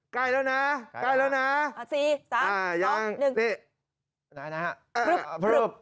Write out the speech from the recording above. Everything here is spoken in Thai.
ใกล้แล้วนะใกล้แล้วนะสี่สามสองหนึ่งนี่นะครับพรุ่บพรุ่บ